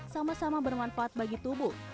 sama sama bermanfaat bagi tubuh